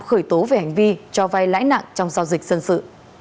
khởi tố về hành vi cho vay lãi nặng trong giao dịch dân sự